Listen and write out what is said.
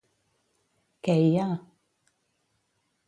Què hi ha...?